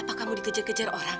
apa kamu dikejar kejar orang